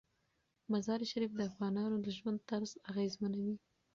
مزارشریف د افغانانو د ژوند طرز اغېزمنوي.